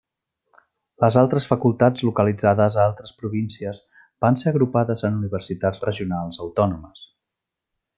Les altres facultats localitzades a altres províncies van ser agrupades en universitats regionals autònomes.